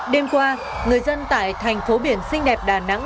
đêm qua người dân tại thành phố biển xinh đẹp đà nẵng